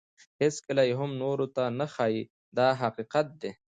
هیڅکله یې هم نورو ته نه ښایي دا حقیقت دی.